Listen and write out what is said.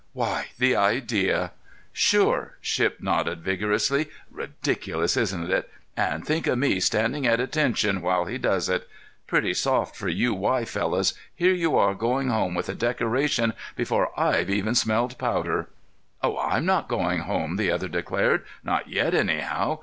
Why, the idea!" "Sure!" Shipp nodded vigorously. "Ridiculous, isn't it? And think of me standing at attention while he does it. Pretty soft for you Y fellows. Here you are going home with a decoration before I've even smelled powder." "Oh, I'm not going home," the other declared. "Not yet, anyhow.